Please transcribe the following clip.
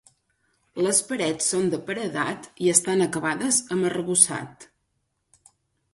Les parets són de paredat i estan acabades amb arrebossat.